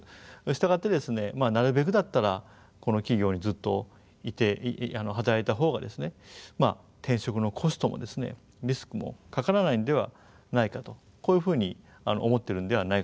従ってなるべくだったらこの企業にずっといて働いた方が転職のコストもリスクもかからないんではないかとこういうふうに思ってるんではないかと思います。